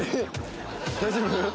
大丈夫？